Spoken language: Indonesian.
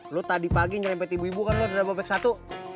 lo tadi pagi nyerempet ibu ibu kan lo udah bapek satu